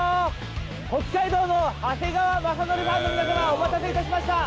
北海道の長谷川雅紀ファンの皆様お待たせいたしました